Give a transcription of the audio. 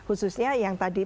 oke khususnya yang tadi tadi